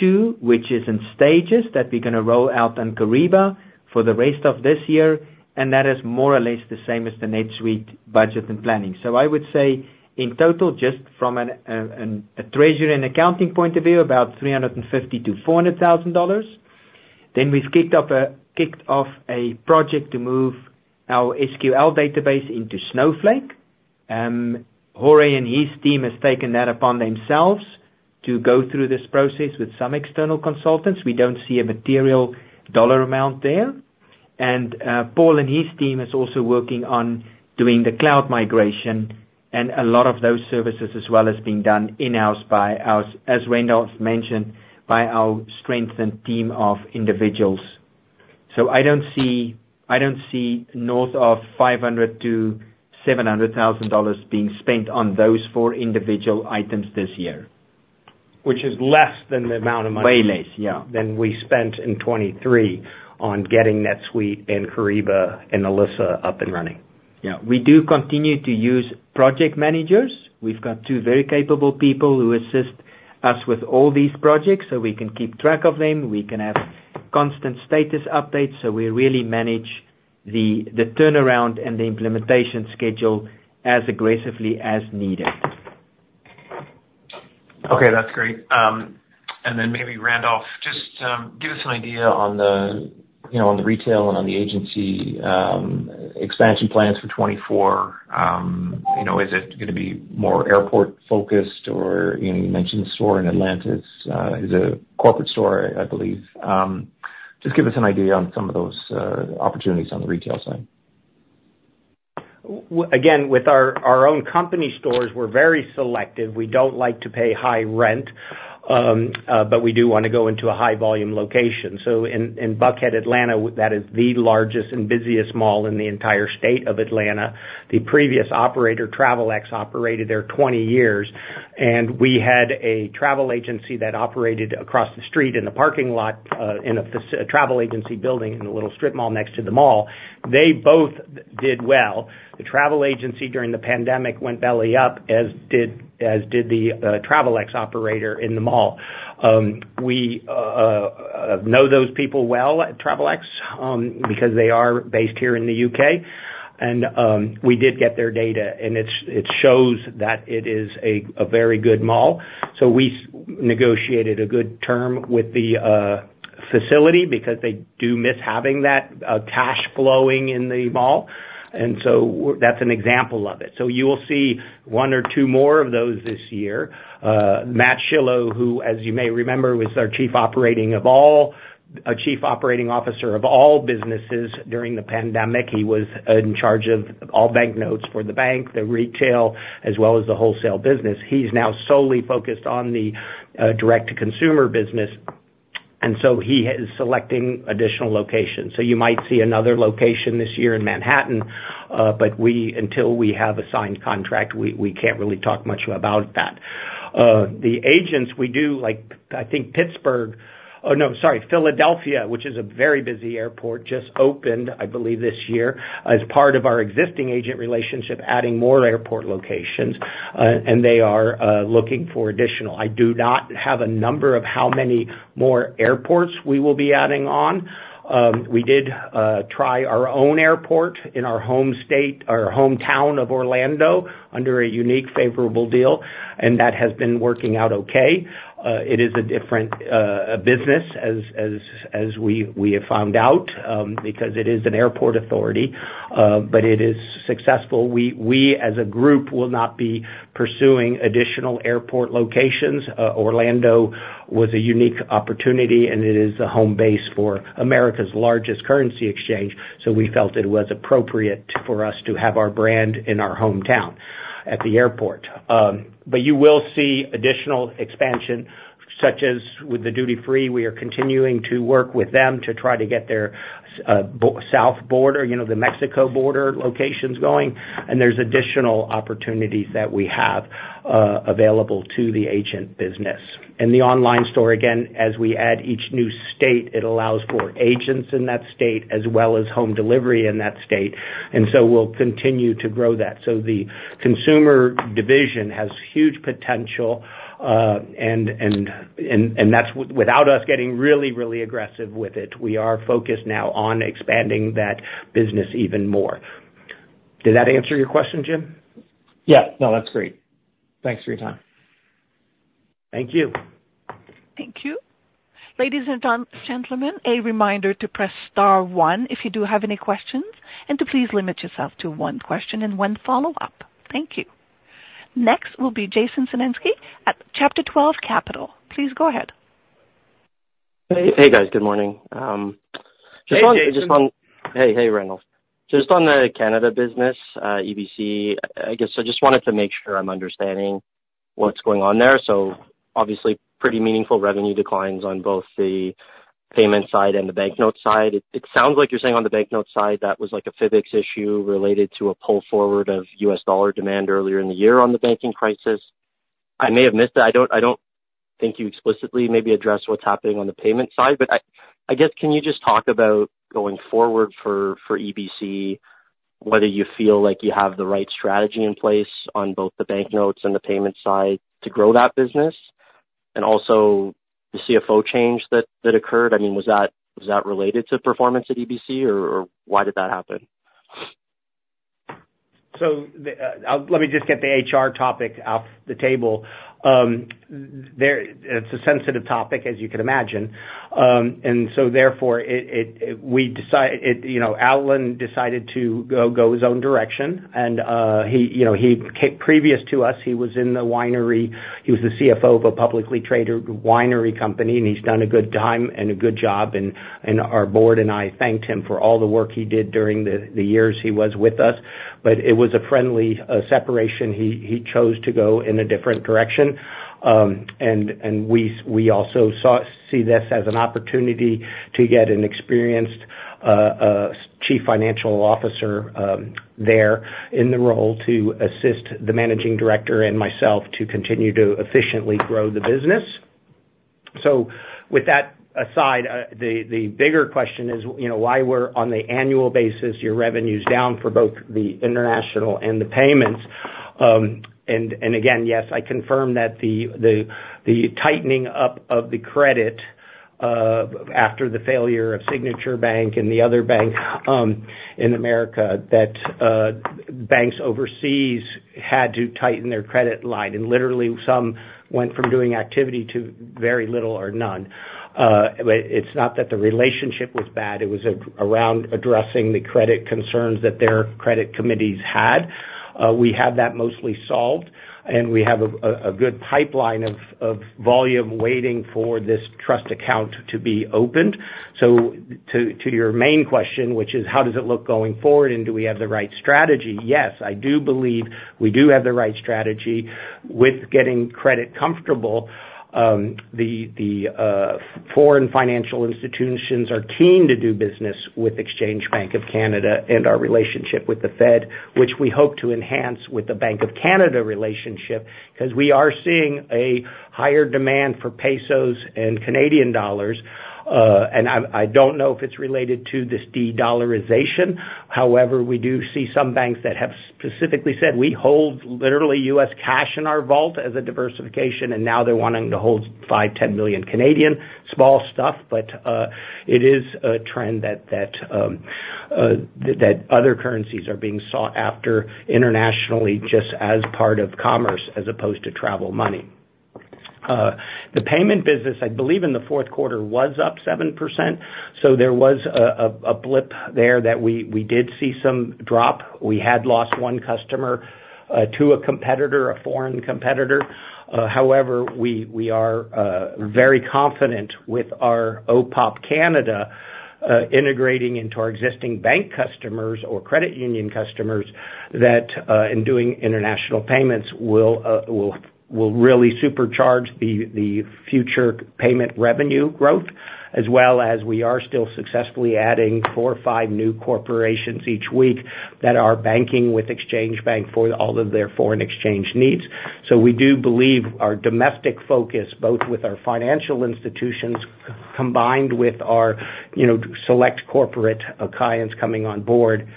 S5: two, which is in stages that we're gonna roll out on Kyriba for the rest of this year, and that is more or less the same as the NetSuite budget and planning. So I would say in total, just from a treasury and accounting point of view, about $350,000-$400,000. Then we've kicked off a project to move our SQL database into Snowflake. Jorge and his team has taken that upon themselves to go through this process with some external consultants. We don't see a material dollar amount there. And, Paul and his team is also working on doing the cloud migration, and a lot of those services as well is being done in-house by us, as Randolph mentioned, by our strengthened team of individuals. So I don't see, I don't see north of $500,000-$700,000 being spent on those four individual items this year.
S3: Which is less than the amount of money-
S5: Way less, yeah.
S3: Than we spent in 2023 on getting NetSuite and Kyriba and Alessa up and running.
S5: Yeah, we do continue to use project managers. We've got two very capable people who assist us with all these projects, so we can keep track of them. We can have constant status updates, so we really manage the turnaround and the implementation schedule as aggressively as needed.
S7: Okay, that's great. And then maybe Randolph, just give us an idea on the, you know, on the retail and on the agency expansion plans for 2024. You know, is it gonna be more airport-focused or, you know, you mentioned the store in Atlanta, is a corporate store, I believe. Just give us an idea on some of those opportunities on the retail side.
S3: Again, with our own company stores, we're very selective. We don't like to pay high rent, but we do wanna go into a high volume location. So in Buckhead, Atlanta, that is the largest and busiest mall in the entire state of Atlanta. The previous operator, Travelex, operated there 20 years, and we had a travel agency that operated across the street in the parking lot, in a travel agency building, in a little strip mall next to the mall. They both did well. The travel agency during the pandemic went belly up, as did the Travelex operator in the mall. We know those people well at Travelex, because they are based here in the U.K. We did get their data, and it's it shows that it is a very good mall. We negotiated a good term with the facility because they do miss having that cash flowing in the mall, and so that's an example of it. You will see one or two more of those this year. Matt Schilo, who, as you may remember, was our Chief Operating Officer of all businesses during the pandemic. He was in charge of all banknotes for the bank, the retail, as well as the wholesale business. He's now solely focused on the direct-to-consumer business, and so he is selecting additional locations. You might see another location this year in Manhattan, but we, until we have a signed contract, we can't really talk much about that. The agents, we do like, Philadelphia, which is a very busy airport, just opened, I believe, this year as part of our existing agent relationship, adding more airport locations, and they are looking for additional. I do not have a number of how many more airports we will be adding on. We did try our own airport in our home state or hometown of Orlando, under a unique, favorable deal, and that has been working out okay. It is a different business as we have found out, because it is an airport authority, but it is successful. We, as a group, will not be pursuing additional airport locations. Orlando was a unique opportunity, and it is a home base for America's largest currency exchange, so we felt it was appropriate for us to have our brand in our hometown, at the airport. But you will see additional expansion, such as with the duty-free. We are continuing to work with them to try to get their south border, you know, the Mexico border locations going, and there's additional opportunities that we have available to the agent business. And the online store, again, as we add each new state, it allows for agents in that state as well as home delivery in that state, and so we'll continue to grow that. So the consumer division has huge potential, and that's without us getting really, really aggressive with it. We are focused now on expanding that business even more. Did that answer your question, Jim?
S7: Yeah. No, that's great. Thanks for your time.
S3: Thank you.
S1: Thank you. Ladies and gentlemen, a reminder to press star one if you do have any questions, and to please limit yourself to one question and one follow-up. Thank you. Next will be Jason Senensky at Chapter 12 Capital. Please go ahead.
S8: Hey, guys. Good morning. Just on-
S3: Hey, Jason.
S8: Hey, hey, Randolph. Just on the Canada business, EBC, I guess I just wanted to make sure I'm understanding what's going on there. So obviously, pretty meaningful revenue declines on both the payment side and the banknote side. It sounds like you're saying on the banknote side, that was like a physics issue related to a pull forward of U.S. dollar demand earlier in the year on the banking crisis. I may have missed it. I don't think you explicitly maybe addressed what's happening on the payment side, but I guess, can you just talk about going forward for EBC, whether you feel like you have the right strategy in place on both the banknotes and the payment side to grow that business? And also the CFO change that occurred. I mean, was that related to performance at EBC, or why did that happen?
S3: So, let me just get the HR topic off the table. It's a sensitive topic, as you can imagine. Alan decided to go his own direction. You know, previous to us, he was in the winery. He was the CFO of a publicly traded winery company, and he's done a good time and a good job, and our board and I thanked him for all the work he did during the years he was with us. But it was a friendly separation. He chose to go in a different direction. We also see this as an opportunity to get an experienced Chief Financial Officer there in the role to assist the Managing Director and myself to continue to efficiently grow the business. So with that aside, the bigger question is, you know, why we're on the annual basis, your revenue's down for both the international and the payments. And again, yes, I confirm that the tightening up of the credit after the failure of Signature Bank and the other bank in America, that banks overseas had to tighten their credit line, and literally, some went from doing activity to very little or none. But it's not that the relationship was bad, it was around addressing the credit concerns that their credit committees had. We have that mostly solved, and we have a good pipeline of volume waiting for this trust account to be opened. So to your main question, which is: How does it look going forward, and do we have the right strategy? Yes, I do believe we do have the right strategy with getting credit comfortable. The foreign financial institutions are keen to do business with Exchange Bank of Canada and our relationship with the Fed, which we hope to enhance with the Bank of Canada relationship, 'cause we are seeing a higher demand for pesos and Canadian dollars. And I don't know if it's related to this de-dollarization. However, we do see some banks that have specifically said, "We hold literally U.S. cash in our vault as a diversification," and now they're wanting to hold 5 million-10 million. Small stuff, but it is a trend that other currencies are being sought after internationally, just as part of commerce as opposed to travel money. The payment business, I believe, in the fourth quarter, was up 7%, so there was a blip there that we did see some drop. We had lost one customer to a competitor, a foreign competitor. However, we are very confident with our OPOP Canada, integrating into our existing bank customers or credit union customers that in doing international payments will really supercharge the future payment revenue growth, as well as we are still successfully adding four or five new corporations each week that are banking with Exchange Bank for all of their foreign exchange needs. So we do believe our domestic focus, both with our financial institutions, combined with our, you know, select corporate clients coming on board,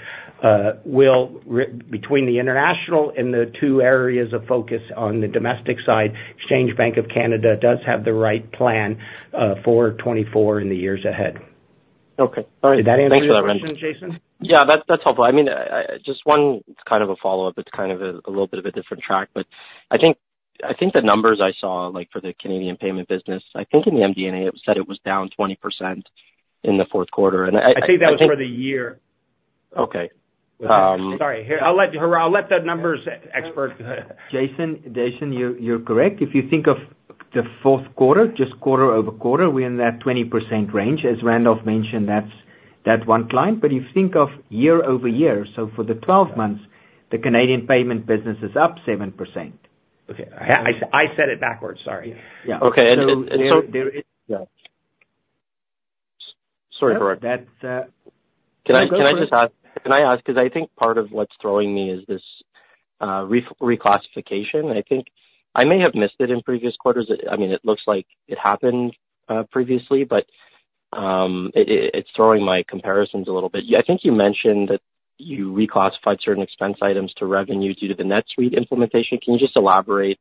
S3: will between the international and the two areas of focus on the domestic side, Exchange Bank of Canada does have the right plan for 2024 and the years ahead.
S8: Okay.
S3: Did that answer your question, Jason?
S8: Yeah, that's, that's helpful. I mean, just one kind of a follow-up. It's kind of a little bit of a different track, but I think, I think the numbers I saw, like for the Canadian payment business, I think in the MD&A, it said it was down 20% in the fourth quarter, and I, I-
S3: I think that was for the year.
S8: Okay. Um-
S3: Sorry, here, I'll let the numbers expert.
S5: Jason, Jason, you, you're correct. If you think of the fourth quarter, just quarter-over-quarter, we're in that 20% range. As Randolph mentioned, that's that one client. But you think of year-over-year, so for the 12 months, the Canadian payment business is up 7%.
S3: Okay. I said it backwards. Sorry.
S5: Yeah.
S3: Yeah.
S8: Okay, and so-
S5: There is.
S3: Yeah.
S8: Sorry about that.
S5: That's, uh...
S8: Can I just ask? Can I ask, 'cause I think part of what's throwing me is this reclassification. I think I may have missed it in previous quarters. It... I mean, it looks like it happened previously, but it it's throwing my comparisons a little bit. Yeah, I think you mentioned that you reclassified certain expense items to revenues due to the NetSuite implementation. Can you just elaborate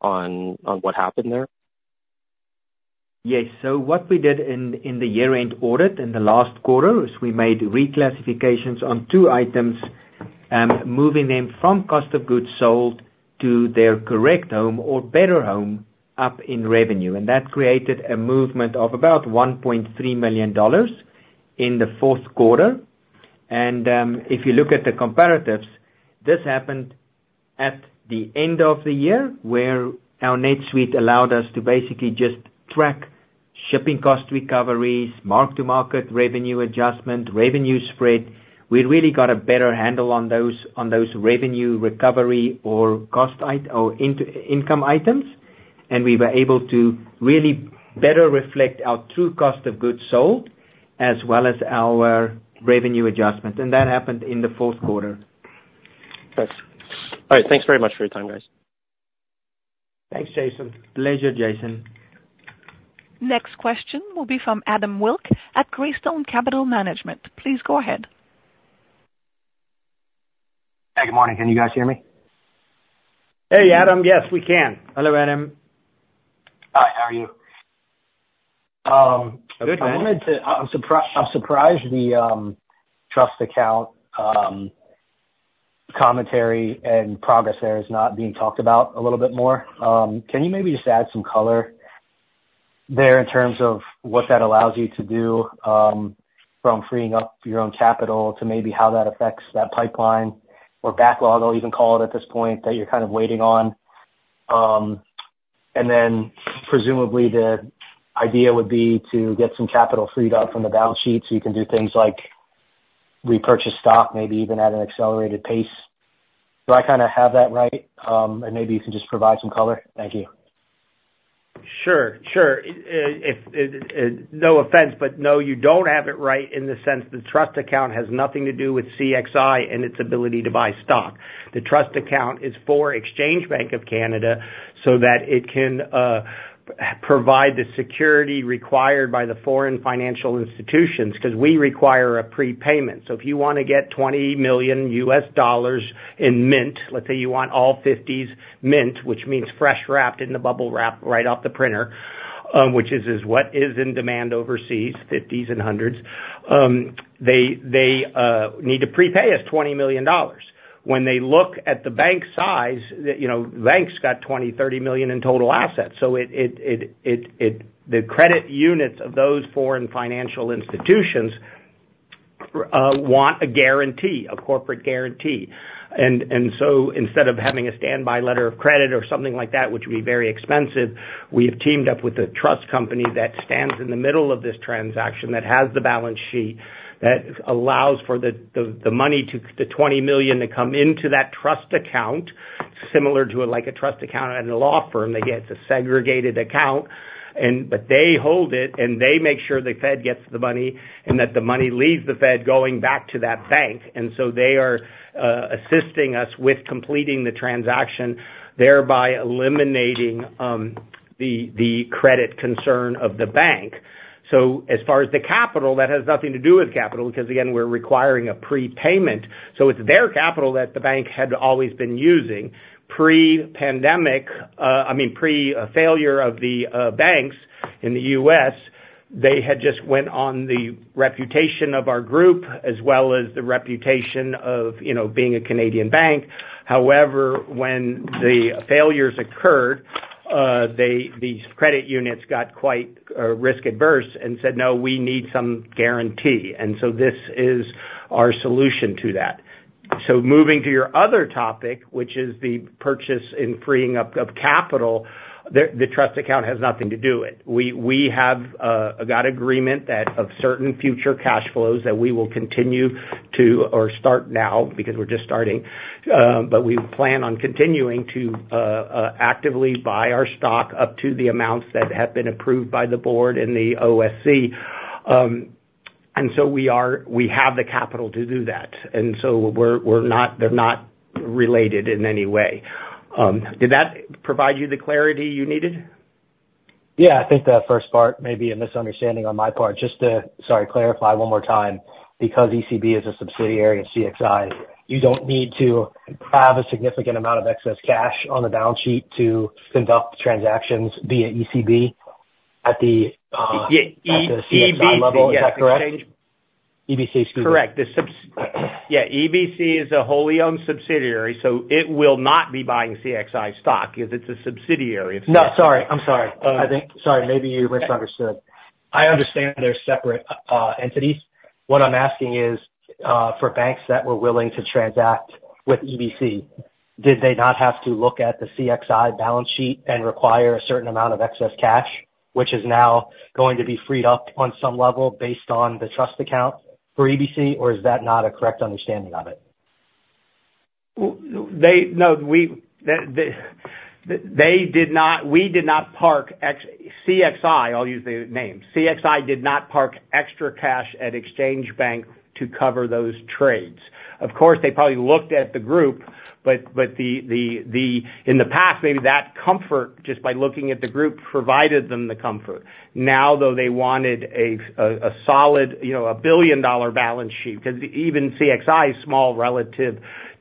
S8: on what happened there?
S5: Yes. So what we did in the year-end audit, in the last quarter, is we made reclassifications on two items, moving them from cost of goods sold to their correct home or better home, up in revenue. That created a movement of about $1.3 million in the fourth quarter. If you look at the comparatives, this happened at the end of the year, where our NetSuite allowed us to basically just track shipping cost recoveries, mark-to-market revenue adjustment, revenue spread. We really got a better handle on those, on those revenue recovery or cost or income items... and we were able to really better reflect our true cost of goods sold, as well as our revenue adjustments, and that happened in the fourth quarter.
S8: Thanks. All right, thanks very much for your time, guys.
S3: Thanks, Jason.
S5: Pleasure, Jason.
S1: Next question will be from Adam Wilk at Greystone Capital Management. Please go ahead.
S9: Hi, good morning. Can you guys hear me?
S3: Hey, Adam. Yes, we can.
S5: Hello, Adam.
S9: Hi, how are you?
S5: Good, man.
S9: I wanted to... I'm surprised the trust account commentary and progress there is not being talked about a little bit more. Can you maybe just add some color there in terms of what that allows you to do from freeing up your own capital to maybe how that affects that pipeline or backlog, I'll even call it at this point, that you're kind of waiting on. And then presumably, the idea would be to get some capital freed up from the balance sheet so you can do things like repurchase stock, maybe even at an accelerated pace. Do I kinda have that right? And maybe you can just provide some color. Thank you.
S3: Sure, sure. No offense, but no, you don't have it right in the sense the trust account has nothing to do with CXI and its ability to buy stock. The trust account is for Exchange Bank of Canada so that it can provide the security required by the foreign financial institutions, 'cause we require a prepayment. So if you wanna get $20 million in mint, let's say you want all fifties mint, which means fresh wrapped in the bubble wrap, right off the printer, which is what is in demand overseas, fifties and hundreds. They need to prepay us $20 million. When they look at the bank size, you know, the bank's got $20 million-$30 million in total assets. So it... The credit units of those foreign financial institutions want a guarantee, a corporate guarantee. So instead of having a standby letter of credit or something like that, which would be very expensive, we have teamed up with a trust company that stands in the middle of this transaction, that has the balance sheet, that allows for the money, the $20 million, to come into that trust account, similar to like a trust account at a law firm. They get a segregated account and, but they hold it, and they make sure the Fed gets the money and that the money leaves the Fed going back to that bank. So they are assisting us with completing the transaction, thereby eliminating the credit concern of the bank. So as far as the capital, that has nothing to do with capital, because again, we're requiring a prepayment, so it's their capital that the bank had always been using. Pre-pandemic, I mean, pre-failure of the banks in the U.S., they had just went on the reputation of our group as well as the reputation of, you know, being a Canadian bank. However, when the failures occurred, they, these credit units got quite risk averse and said, "No, we need some guarantee." And so this is our solution to that. So moving to your other topic, which is the purchase and freeing up of capital, the trust account has nothing to do with it. We have got agreement that of certain future cash flows that we will continue to or start now, because we're just starting, but we plan on continuing to actively buy our stock up to the amounts that have been approved by the board and the OSC. And so we have the capital to do that, and so we're not... They're not related in any way. Did that provide you the clarity you needed?
S9: Yeah, I think that first part may be a misunderstanding on my part. Just to, sorry, clarify one more time, because EBC is a subsidiary of CXI, you don't need to have a significant amount of excess cash on the balance sheet to conduct transactions via EBC at the CXI level.
S3: Yeah, EBC-
S9: Is that correct? EBC, excuse me.
S3: Correct. Yeah, EBC is a wholly owned subsidiary, so it will not be buying CXI stock because it's a subsidiary.
S9: No, sorry. I'm sorry. Sorry, maybe you misunderstood. I understand they're separate entities. What I'm asking is, for banks that were willing to transact with EBC, did they not have to look at the CXI balance sheet and require a certain amount of excess cash, which is now going to be freed up on some level based on the trust account for EBC? Or is that not a correct understanding of it?
S3: No, we did not park extra cash at Exchange Bank to cover those trades. Of course, they probably looked at the group, but in the past, maybe that comfort, just by looking at the group, provided them the comfort. Now, though, they wanted a solid, you know, a billion-dollar balance sheet, because even CXI is small relative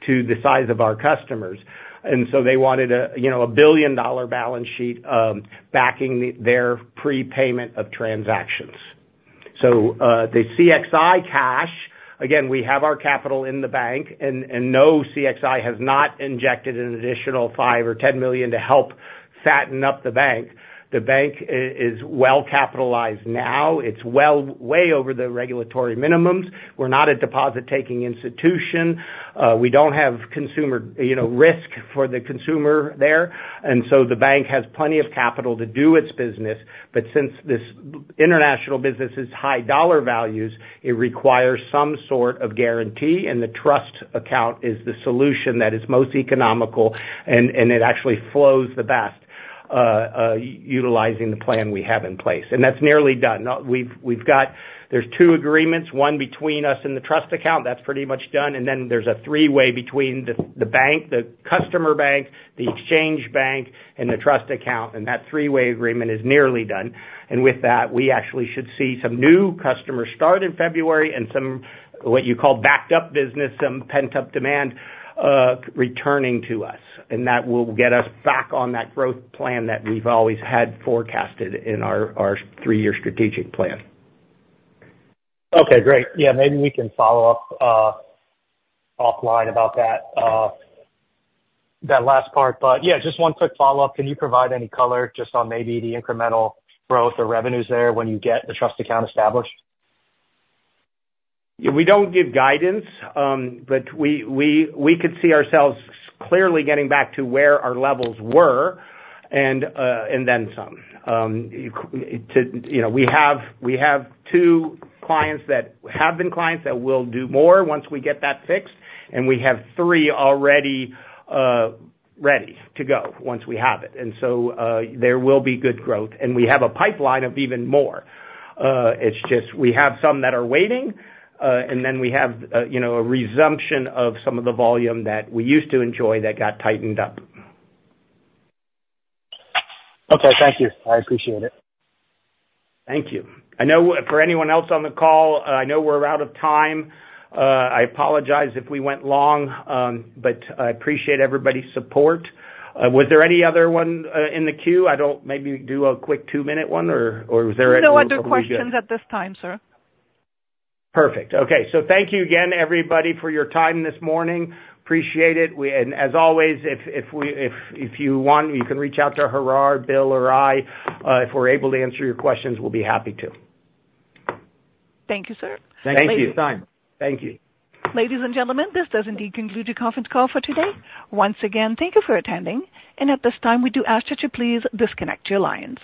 S3: to the size of our customers. And so they wanted a, you know, a billion-dollar balance sheet backing their prepayment of transactions. So, the CXI cash, again, we have our capital in the bank, and no, CXI has not injected an additional $5 million or $10 million to help fatten up the bank. The bank is well capitalized now. It's well way over the regulatory minimums. We're not a deposit-taking institution. We don't have consumer, you know, risk for the consumer there, and so the bank has plenty of capital to do its business. But since this international business is high dollar values, it requires some sort of guarantee, and the trust account is the solution that is most economical and it actually flows the best, utilizing the plan we have in place, and that's nearly done. Now, there's two agreements, one between us and the trust account, that's pretty much done, and then there's a three-way between the bank, the customer bank, the exchange bank, and the trust account, and that three-way agreement is nearly done. With that, we actually should see some new customers start in February and some, what you call, backed up business, some pent-up demand returning to us. That will get us back on that growth plan that we've always had forecasted in our three-year strategic plan.
S9: Okay, great. Yeah, maybe we can follow up offline about that last part. But yeah, just one quick follow-up. Can you provide any color just on maybe the incremental growth or revenues there when you get the trust account established?
S3: Yeah, we don't give guidance, but we could see ourselves clearly getting back to where our levels were, and then some. You know, we have two clients that have been clients that will do more once we get that fixed, and we have three already ready to go once we have it. So, there will be good growth, and we have a pipeline of even more. It's just we have some that are waiting, and then we have, you know, a resumption of some of the volume that we used to enjoy that got tightened up.
S9: Okay, thank you. I appreciate it.
S3: Thank you. I know for anyone else on the call, I know we're out of time. I apologize if we went long, but I appreciate everybody's support. Was there any other one in the queue? I don't... Maybe do a quick two-minute one, or, or was there-
S1: No other questions at this time, sir.
S3: Perfect. Okay, so thank you again, everybody, for your time this morning. Appreciate it. And as always, if you want, you can reach out to Gerhard, Bill, or I. If we're able to answer your questions, we'll be happy to.
S1: Thank you, sir.
S3: Thank you. Thanks for your time. Thank you.
S1: Ladies and gentlemen, this does indeed conclude the conference call for today. Once again, thank you for attending, and at this time, we do ask that you please disconnect your lines.